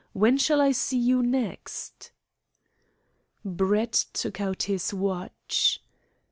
When shall I see you next?" Brett took out his watch.